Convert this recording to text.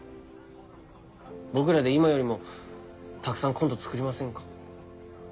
僕らで今よりもたくさんコント作りませんか？